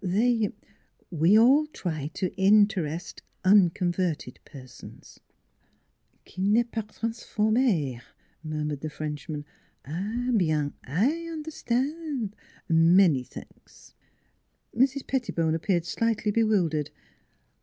They we all try to interest unconverted persons." " Qui nest pas transformed murmured the Frenchman. " Bien! I un'erstan'. Many t'anks." Mrs. Pettibone appeared slightly bewildered.